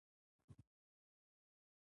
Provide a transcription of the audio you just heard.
ځینې وختونه سوداګریز جنجالونه وي.